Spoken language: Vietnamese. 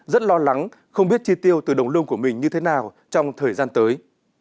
rất lo lắng không biết chi tiêu từ đồng lương của mình như thế nào trong thời gian tới